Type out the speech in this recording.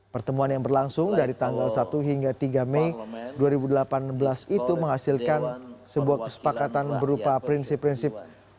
pertemuan yang berlangsung dari tanggal satu hingga tiga mei dua ribu delapan belas itu menghasilkan sebuah kesepakatan berupa prinsip prinsip